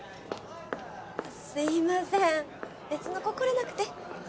すみません別の子来られなくて。